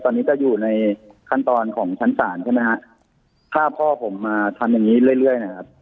ตอนนี้จะอยู่ในขั้นตอนของชั้นศาลใช่ไหมฮะถ้าพ่อผมมาทำอย่างงี้เรื่อยเรื่อยนะครับ